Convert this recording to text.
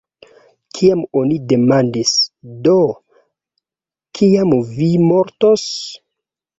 Kiam oni demandis, "Do, kiam vi mortos?